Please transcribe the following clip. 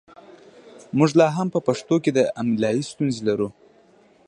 موږ لا هم په پښتو کې املايي ستونزې لرو